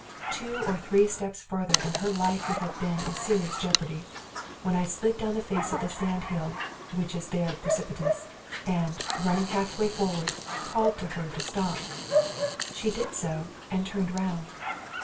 Two or three steps far ther and her life would have been in serious jeopardy, when I slid down the face of the sand hill, which is there pre cipitous, and, running halfway forward, called to her to stop. She did so, and turned round.